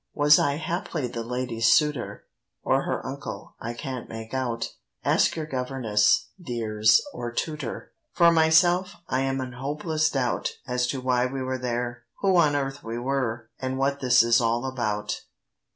Was I haply the lady's suitor? Or her uncle? I can't make out— Ask your governess, dears, or tutor. For myself, I'm in hopeless doubt As to why we were there, who on earth we were, And what this is all about.